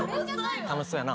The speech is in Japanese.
楽しそうやな。